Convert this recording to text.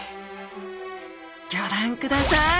ギョ覧ください！